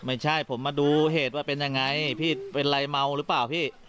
ไม่ใช่ผมมาดูเหตุว่าเป็นยังไงพี่เป็นไรเมาหรือเปล่าพี่